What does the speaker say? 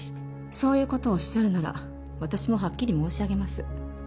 そういう事をおっしゃるなら私もはっきり申し上げます。